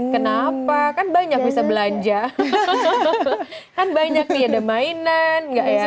kenapa kan banyak bisa belanja kan banyak nih ada mainan enggak ya